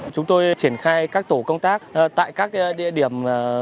chúng tôi triển khai các tổ công tác tại các địa điểm